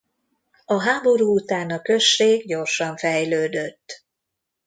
A háború után a község gyorsan fejlődött.